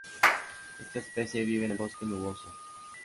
Esta especie vive en el bosque nuboso.